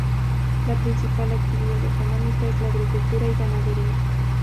La principal actividad económica es la agricultura y ganadería.